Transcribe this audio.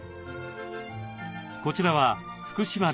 こちらは福島旅行。